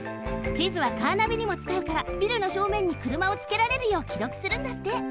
地図はカーナビにもつかうからビルのしょうめんにくるまをつけられるようきろくするんだって。